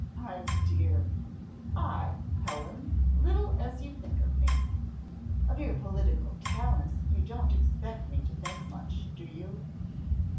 my dear " "I, Helen, little as you think of me." "Of your political talents you don't expect me to think much, do you?"